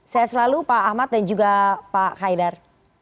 saya selalu pak ahmad dan juga pak haidar